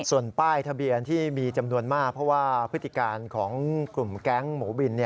ส่วนป้ายทะเบียนที่มีจำนวนมากเพราะว่าพฤติการของกลุ่มแก๊งหมูบิน